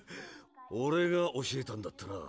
オレが教えたんだったな。